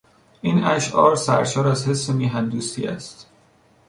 این اشعار سرشار از حس میهن دوستی است.